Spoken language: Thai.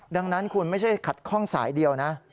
ดังนั้นคุณไม่ใช่ขัดข้องสายเดียวนะ